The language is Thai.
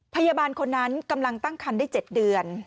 พยาบาลคนนั้นกำลังตั้งครรภ์ได้เจ็ดเดือน